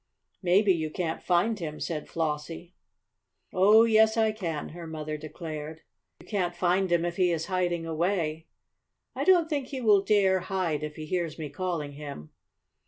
"Maybe you can't find him," said Flossie. "Oh, yes I can," her mother declared. "You can't find him if he is hiding away." "I don't think he will dare hide if he hears me calling him."